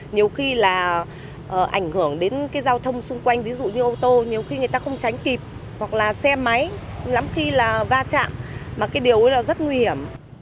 nhiều khi là ảnh hưởng đến cái giao thông xung quanh ví dụ như ô tô nhiều khi người ta không tránh kịp hoặc là xe máy lắm khi là va chạm mà cái điều ấy là rất nguy hiểm